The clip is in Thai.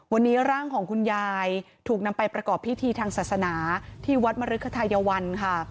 วันนี้ร่างของคุณยายถูกนำไปประกอบพิธีทางศาสนาที่วัดมริคทายวันค่ะ